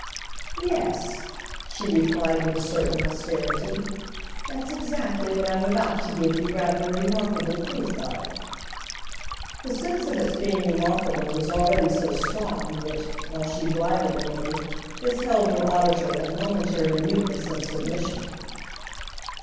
"Yes," she replied with a certain austerity; "that's exactly what I'm about to give you rather a remarkable proof of." The sense of its being remarkable was already so strong that, while she bridled a little, this held her auditor in a momentary muteness of submission.